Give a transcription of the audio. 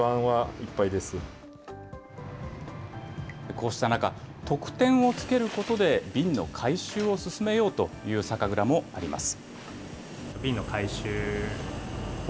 こうした中、特典を付けることで、瓶の回収を進めようという酒蔵もあります。